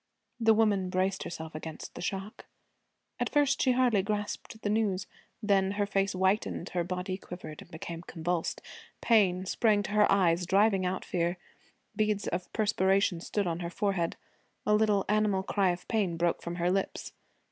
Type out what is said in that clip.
The woman braced herself against the shock. At first she hardly grasped the news. Then her face whitened, her body quivered and became convulsed. Pain sprang to her eyes, driving out fear; beads of perspiration stood on her forehead; a little animal cry of pain broke from her lips.